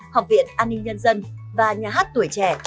học viện an ninh nhân dân và nhà hát tuổi trẻ